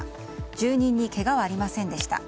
住人にけがはありませんでした。